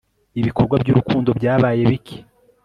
ibikorwa by'urukundo byabaye bike